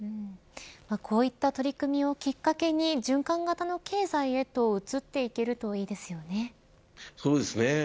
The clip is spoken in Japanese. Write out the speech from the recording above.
こういった取り組みをきっかけに循環型の経済へとそうですね。